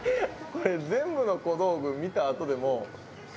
これ全部の小道具見たあとでも。